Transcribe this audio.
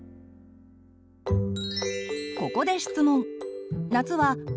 ここで質問。